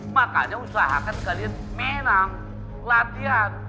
makanya usahakan sekalian menang latihan